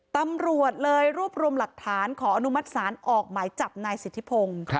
ตำรวจเลยรวบรวมหลักฐานขออนุมัติศาลออกหมายจับนายสิทธิพงศ์